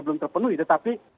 belum terpenuhi tetapi